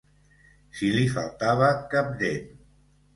Si li faltava cap dent.